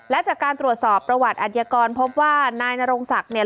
และจากการตรวจสอบประวัติอัธยากรพบว่านายนรงศักดิ์เนี่ย